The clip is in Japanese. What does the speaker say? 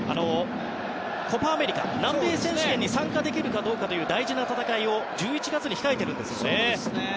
コパ・アメリカ、南米選手権に参加できるかどうかという大事な戦いを１１月に控えていますよね。